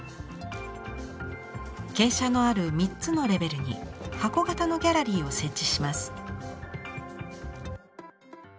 傾斜のある３つのレベルに箱型のギャラリーを設置します。